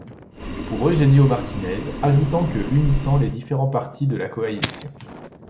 Pour Eugenio Martínez, ajoutant que unissant les différents partis de la coalition.